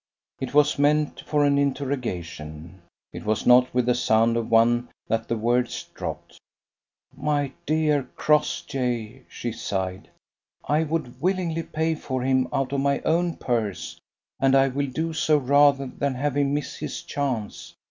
It was meant for an interrogation; it was not with the sound of one that the words dropped. "My dear Crossjay!" she sighed. "I would willingly pay for him out of my own purse, and I will do so rather than have him miss his chance.